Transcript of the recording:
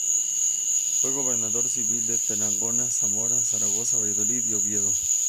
Fue Gobernador Civil de Tarragona, Zamora, Zaragoza, Valladolid y Oviedo.